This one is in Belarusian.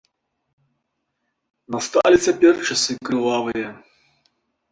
Насталі цяпер часы крывавыя.